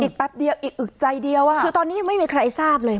แป๊บเดียวอีกอึกใจเดียวอ่ะคือตอนนี้ยังไม่มีใครทราบเลย